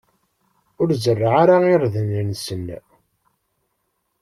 Ur zerreɛ ara irden-nsen.